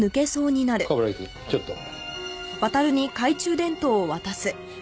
冠城くんちょっと。